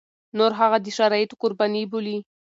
نور هغه د شرايطو قرباني بولي.